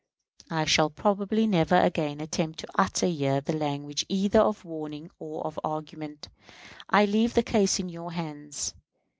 I shall probably never again attempt to utter here the language either of warning or of argument. I leave the case in your hands.